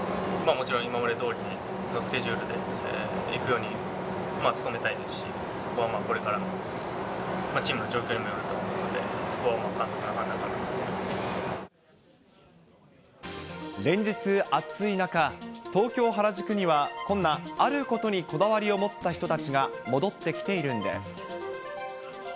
もちろん今までどおりのスケジュールでいくように努めたいですし、そこはまあ、これからのチームの状況にもよると思うので、そこは監督の判断か連日暑い中、東京・原宿には、こんなあることにこだわりを持った人たちが戻ってきているんです。